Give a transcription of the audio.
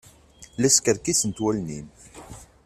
La skerkisent wallen-im.